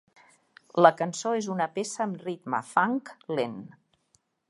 La cançó és una peça amb ritme funk lent.